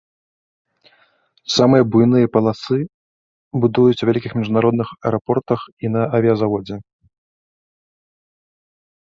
Самыя буйныя паласы будуюць у вялікіх міжнародных аэрапортах і на авіязаводзе.